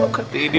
makasih pak d